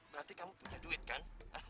berarti kamu punya duit kan